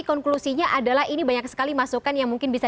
konklusinya adalah ini banyak sekali masukan yang mungkin bisa